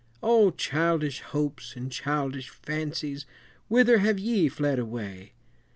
Oh, childish hopes and childish fancies, Whither have ye fled away?